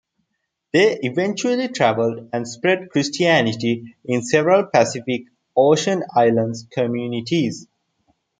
They eventually traveled and spread Christianity in several Pacific Ocean island communities.